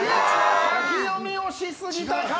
深読みをしすぎたか！